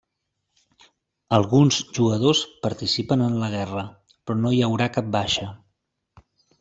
Alguns jugadors participen en la guerra, però no hi haurà cap baixa.